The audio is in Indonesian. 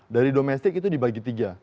dari domestik itu dibagi tiga